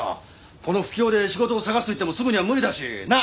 この不況で仕事を探すといってもすぐには無理だしなっ？